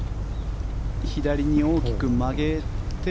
左に大きく曲げて。